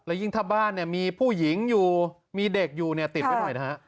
แล้วยิ่งถ้าบ้านมีผู้หญิงอยู่มีเด็กอยู่ติดไว้หน่อยนะฮะ